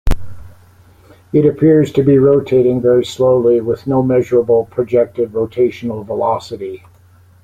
It appears to be rotating very slowly with no measurable projected rotational velocity.